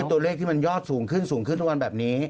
ตัวเลขที่มันยอดสูงขึ้นสูงขึ้นทุกวันแบบนี้